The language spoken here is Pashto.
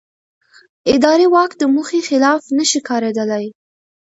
اداري واک د موخې خلاف نه شي کارېدلی.